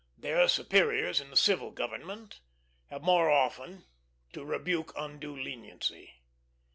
Their superiors in the civil government have more often to rebuke undue leniency.